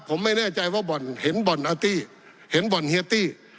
ผมไม่แน่ใจว่าบ่อนเห็นบ่อนอาร์ตี้เห็นบ่อนเฮียตี้